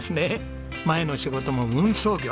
前の仕事も運送業。